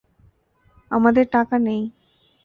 আমাদের টাকা নেই!